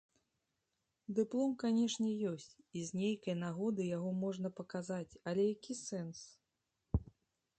Дыплом, канешне, ёсць, і з нейкай нагоды яго можна паказаць, але які сэнс?